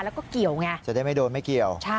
แล้วก็เกี่ยวไง